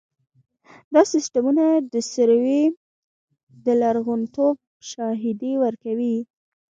دا سیستمونه د سروې د لرغونتوب شاهدي ورکوي